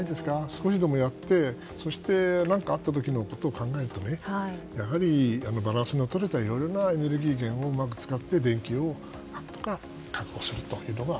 少しでもやって、そして何かあった時のことを考えるとやはり、バランスのとれたいろいろなエネルギー源をうまく使って電気を何とか確保するというのが